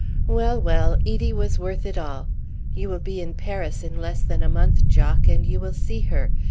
Well, well, Edie was worth it all! You will be in Paris in less than a month, Jock, and you will see her.